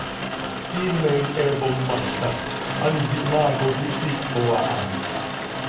Siimen he pommaxz ta x, hant ihmaa cop ihsiiho aha.